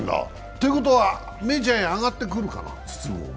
ということはメジャーへ上がってくるかな、筒香も。